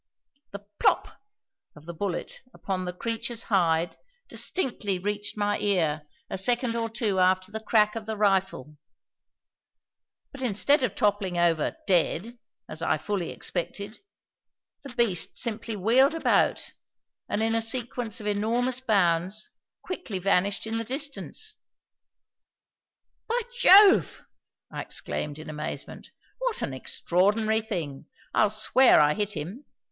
The "plop" of the bullet upon the creature's hide distinctly reached my ear a second or two after the crack of the rifle; but instead of toppling over, dead, as I fully expected, the beast simply wheeled about and, in a sequence of enormous bounds, quickly vanished in the distance. "By Jove!" I exclaimed, in amazement, "what an extraordinary thing. I'll swear I hit him.